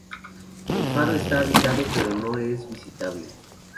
El faro está habitado pero no es visitable.